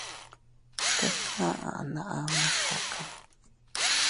Tika aʼa naa ama kaka.